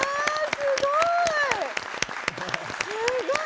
すごい！